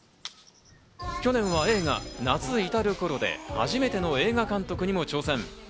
去年は映画『夏、至るころ』で初めての映画監督にも挑戦。